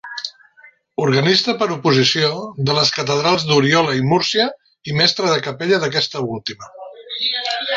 Organista per oposició, de les catedrals d'Oriola i Múrcia, i mestre de capella d'aquesta última.